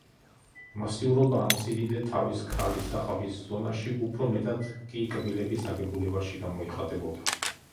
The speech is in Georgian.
მასიურობა ანუ სიდიდე, თავის ქალისა ყბის ზომაში, უფრო მეტად კი კბილების აგებულებაში გამოიხატებოდა.